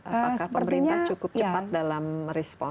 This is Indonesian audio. apakah pemerintah cukup cepat dalam merespon